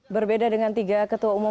berbeda dengan tiga ketua umum